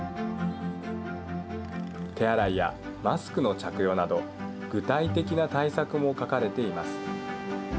手洗いやマスクの着用など具体的な対策も描かれています。